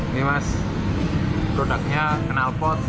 ini mas produknya kenal pot